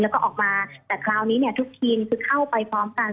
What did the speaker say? แล้วก็ออกมาแต่คราวนี้เนี่ยทุกทีมคือเข้าไปพร้อมกัน